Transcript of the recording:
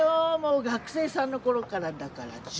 学生さんの頃からだから１０年以上。